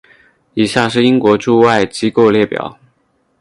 以下是英国驻外机构列表。